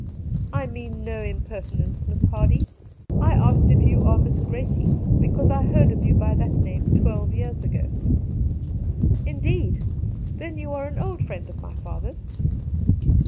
* I mean no impertinence. Miss Hardy, I asked if you are Miss Gracie because I heard of you by that name twelve years ago.' ' Indeed ! Then you are an old friend of my father's